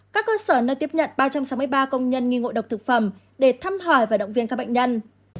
các cơ sở nơi tiếp nhận ba trăm sáu mươi ba công nhân nghi ngộ độc thực phẩm để thăm hỏi và động viên các bệnh nhân